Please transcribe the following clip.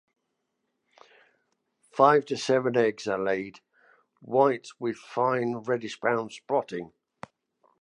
Five to seven eggs are laid, white with fine reddish-brown spotting.